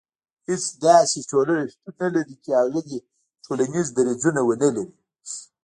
هيڅ داسي ټولنه شتون نه لري چي هغه دي ټولنيز درځونه ونلري